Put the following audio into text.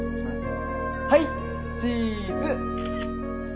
はいチーズ。